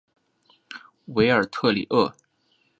韦尔特里厄。